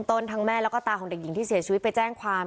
ตรงทั้งแม่และตาของคนเด็กหญิงที่เสียชวิตไปแจ้งความ